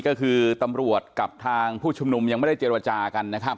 ก็คือตำรวจกับทางผู้ชุมนุมยังไม่ได้เจรจากันนะครับ